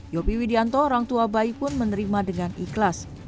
yopi widianto orang tua bayi pun menerima dengan ikhlas